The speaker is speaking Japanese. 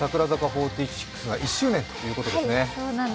４６が１周年ということですね。